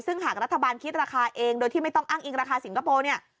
ซึ่งหากรัฐบาลคิดราคาเองโดยที่ไม่ต้องอ้างอิงราคาสิงคโปร์เนี่ย